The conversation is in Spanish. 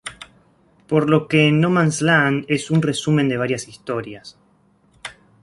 Por lo que "No Man's Land" es un resumen de varias historias.